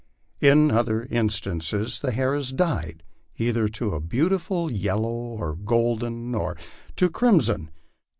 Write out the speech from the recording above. In other instances the hair is dyed, either to a beautiful yellow or golden, or to crimson.